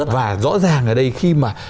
và rõ ràng là đây khi mà